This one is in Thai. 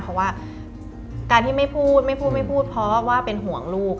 เพราะว่าการที่ไม่พูดไม่พูดไม่พูดเพราะว่าเป็นห่วงลูก